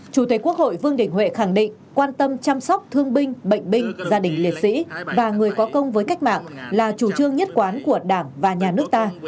chủ tịch quốc hội vương đình huệ khẳng định quan tâm chăm sóc thương binh bệnh binh gia đình liệt sĩ và người có công với cách mạng là chủ trương nhất quán của đảng và nhà nước ta